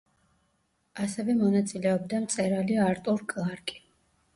ასევე მონაწილეობდა მწერალი არტურ კლარკი.